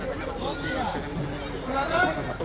itu itu itu